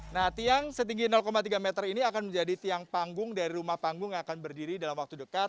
nah tiang setinggi tiga meter ini akan menjadi tiang panggung dari rumah panggung yang akan berdiri dalam waktu dekat